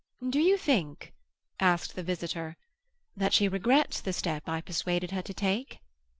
"Do you think," asked the visitor, "that she regrets the step I persuaded her to take?"